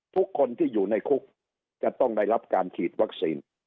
ทุกคนที่อยู่ในคุกจะต้องได้รับการฉีดวัคซีน